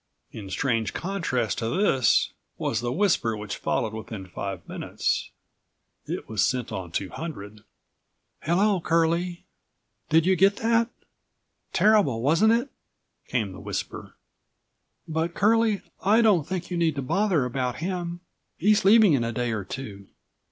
In strange contrast to this was the whisper which followed within five minutes. It was sent on 200. "Hello, Curlie. Did you get that? Terrible, wasn't it?" came the whisper. "But, Curlie, I69 don't think you need to bother about him. He's leaving in a day or two.